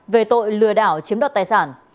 về tội lừa đảo chiếm đoạt tài sản